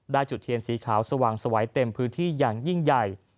จุดเทียนสีขาวสว่างสวัยเต็มพื้นที่อย่างยิ่งใหญ่